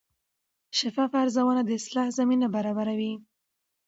شفاف ارزونه د اصلاح زمینه برابروي.